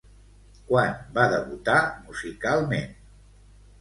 Quan va debutar musicalment?